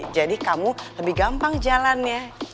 jadi kamu lebih gampang jalannya